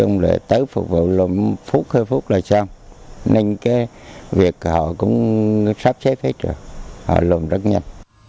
ông thái cũng được hướng dẫn cài đặt và sử dụng ứng dụng vneid